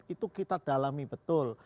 itu kita dalami betul